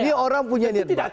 ini orang punya niat baik